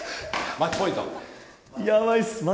マッチポイント。